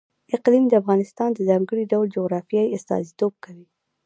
اقلیم د افغانستان د ځانګړي ډول جغرافیه استازیتوب کوي.